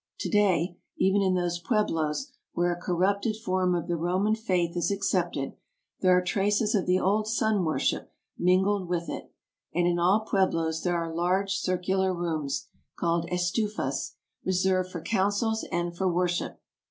To day, even in those pueblos where a corrupted form of the Roman faith is accepted, there are traces of the old sun worship mingled with it, and in all pueblos there are large circular rooms, AMERICA 61 called estufas, reserved for councils and for worship.